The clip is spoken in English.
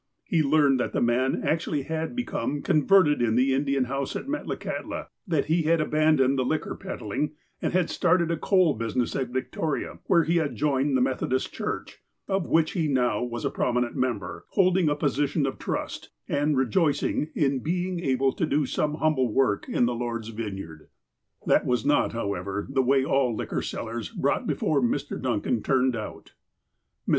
He learned that the man actually had become converted in the Indian house at Metlakahtla, that he had aban doned the liquor peddling, aud had started a coal busi ness at Victoria, where he had joined the Methodist church, of which he now was a prominent member, hold ing a position of trust, and rejoicing in being able to do some humble work in the Lord's vineyard. 208 THE APOSTLE OF ALASKA That was not, however, the way all liquor sellers, brought before Mr. Duncan, turned out. Mr.